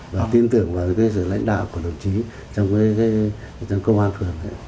và tin tưởng vào sự lãnh đạo của đồng chí trong công an phường